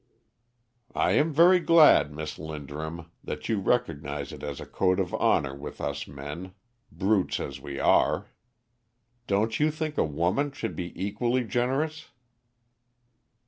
"I am very glad, Miss Linderham, that you recognise it as a code of honour with us men, brutes as we are. Don't you think a woman should be equally generous?"